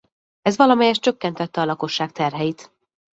Ez valamelyest csökkentette a lakosság terheit.